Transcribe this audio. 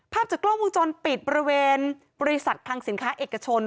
ภาพจากกล้องวงจรปิดบริเวณบริษัทคลังสินค้าเอกชน